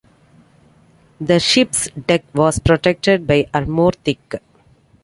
The ship's deck was protected by armor thick.